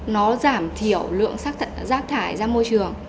nó giảm thiểu lượng rác thải ra môi trường